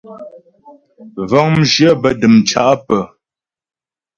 Vəŋ mjyə̂ bə́ dəmcá pə́.